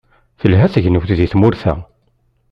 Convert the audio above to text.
Telha tegnewt di tmurt-a.